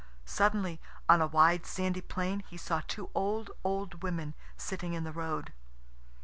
Suddenly, on a wide, sandy plain, he saw two old, old women sitting in the road.